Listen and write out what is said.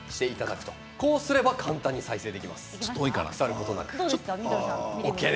こうすれば再生できます。